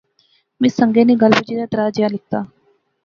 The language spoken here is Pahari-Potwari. میں اس سنگے نی گل بجی تہ تراہ جیا لکھتا